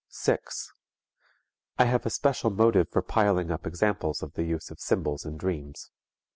6. I have a special motive for piling up examples of the use of symbols in dreams.